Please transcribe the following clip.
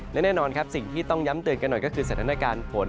และแน่นอนครับสิ่งที่ต้องย้ำเตือนกันหน่อยก็คือสถานการณ์ฝน